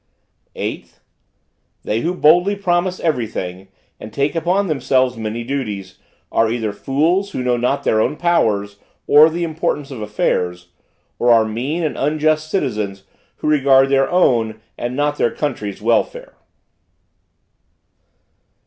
"8th. They who boldly promise everything, and take upon themselves many duties, are either fools who know not their own powers or the importance of affairs, or are mean and unjust citizens who regard their own and not their country's welfare."